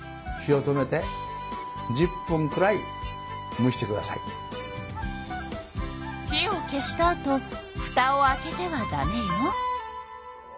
なべから火を消したあとふたを開けてはダメよ。